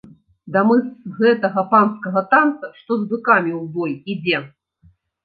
Ды мы з гэтага панскага танца, што з быкамі ў бой ідзе.